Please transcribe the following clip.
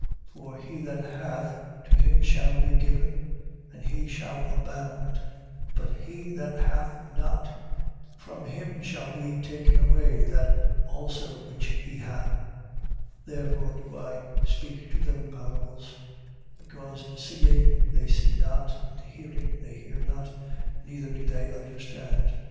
For he that hath, to him shall be given, and he shall abound: but he that hath not, from him shall be taken away that also which he hath. 13:13. Therefore do I speak to them in parables: because seeing they see not, and hearing they hear not, neither do they understand. 13:14.